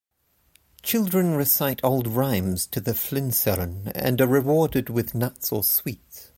Children recite old rhymes to the Flinserln and are rewarded with nuts or sweets.